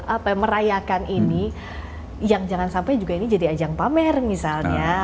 apa merayakan ini yang jangan sampai juga ini jadi ajang pamer misalnya